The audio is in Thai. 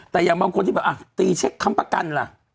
แต่อย่างบางคนขึ้น